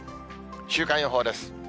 週間予報です。